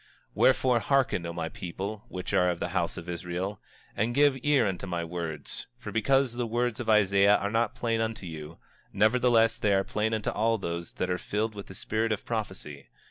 25:4 Wherefore, hearken, O my people, which are of the house of Israel, and give ear unto my words; for because the words of Isaiah are not plain unto you, nevertheless they are plain unto all those that are filled with the spirit of prophecy.